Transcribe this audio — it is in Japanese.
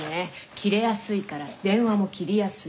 キレやすいから電話も切りやすい。